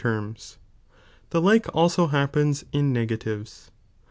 terms ; tho like also happens iu negatives.